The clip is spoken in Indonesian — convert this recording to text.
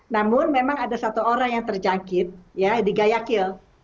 namun memang ada satu orang yang terjangkit di gayakil